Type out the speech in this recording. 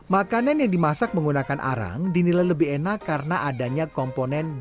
makanan yang dimasak menggunakan arang dinilai lebih enak karena adanya komponen